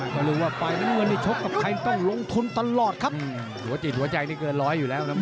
ก็รู้ว่าฝ่ายเมืองชบตกกับใครต้องลงทุนตลอดครับ